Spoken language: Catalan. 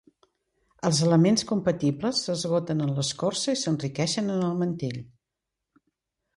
Els elements compatibles s'esgoten en l'escorça i s'enriqueixen en el mantell.